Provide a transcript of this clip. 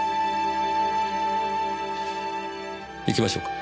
行きましょうか。